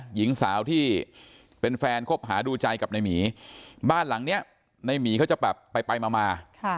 หญิงสาวที่เป็นแฟนคบหาดูใจกับในหมีบ้านหลังนี้ในหมีเขาจะแบบไปมา